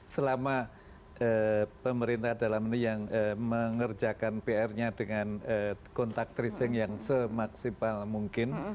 selama pemerintah dalam ini yang mengerjakan prnya dengan kontaktris yang semaksimal mungkin